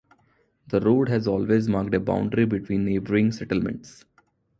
The road has always marked a boundary between neighbouring settlements.